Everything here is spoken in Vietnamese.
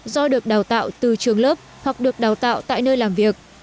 do được đào tạo từ trường lớp hoặc được đào tạo tại nơi làm việc